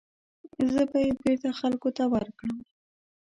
زه به یې بېرته خلکو ته ورکړم.